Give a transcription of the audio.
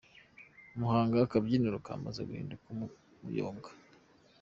Muhanga Akabyiniro kamaze guhinduka umuyonga